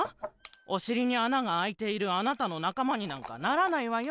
おしりにあながあいているあなたのなかまになんかならないわよ。